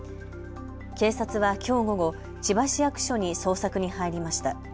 警察はきょう午後、千葉市役所に捜索に入りました。